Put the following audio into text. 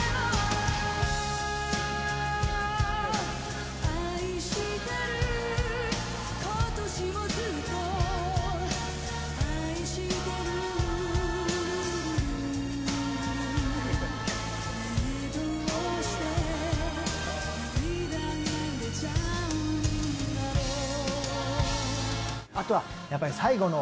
清塚：あとは、やっぱり最後の